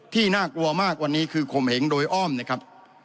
น่ากลัวมากวันนี้คือข่มเหงโดยอ้อมนะครับ